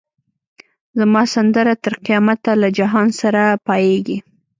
زما سندره تر قیامته له جهان سره پاییږی